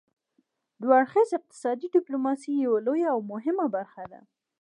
دوه اړخیزه اقتصادي ډیپلوماسي یوه لویه او مهمه برخه ده